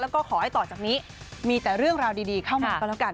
แล้วก็ขอให้ต่อจากนี้มีแต่เรื่องราวดีเข้ามาก็แล้วกัน